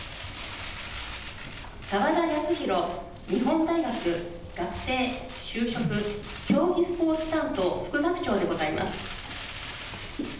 澤田康広日本大学学生就職競技スポーツ担当、副学長でございます。